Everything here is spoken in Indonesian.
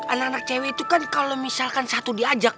anak anak cewek itu kan kalau misalkan satu diajak